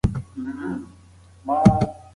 هر سیلانی باید د چاپیریال خیال وساتي.